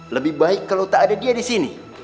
lebih baik kalau tak ada dia disini